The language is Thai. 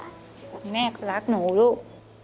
แม่นี่แม่ก็แรกหนูลูก